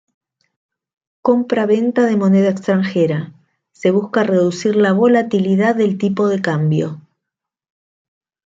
Compra-venta de moneda extranjera: Se busca reducir la volatilidad del tipo de cambio.